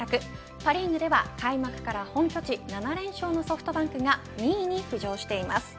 パ・リーグでは開幕から本拠地７連勝のソフトバンクが２位に浮上しています。